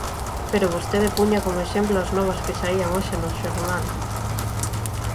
Pero vostede puña como exemplo as novas que saían hoxe no xornal.